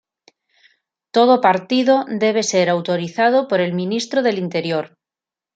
Todo partido debe ser autorizado por el ministro del interior.